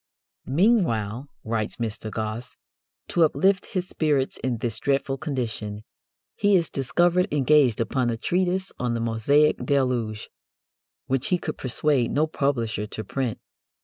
'" "Meanwhile," writes Mr. Gosse, "to uplift his spirits in this dreadful condition, he is discovered engaged upon a treatise on the Mosaic deluge, which he could persuade no publisher to print.